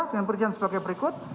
dengan perjanjian sebagai berikut